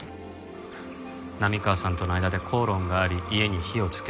波川さんとの間で口論があり家に火をつけた。